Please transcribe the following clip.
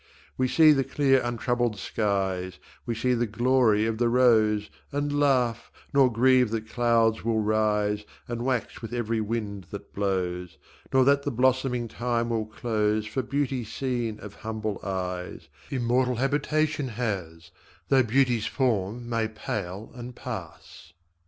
We see the clear untroubled skies, We see the glory of the rose, And laugh, nor grieve that clouds will rise And wax with every wind that blows, Nor that the blossoming time will close, For beauty seen of humble eyes Immortal habitation has Though beauty's form may pale and pass.